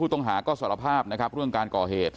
จึงต้นผู้ตรงหาก็สารภาพนะครับเรื่องการก่อเหตุ